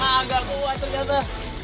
agak kuat ternyata